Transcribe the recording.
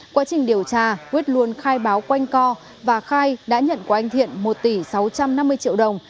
quá trình điều tra quyết luôn khai báo quanh co và khai đã nhận của anh thiện một tỷ sáu trăm năm mươi triệu đồng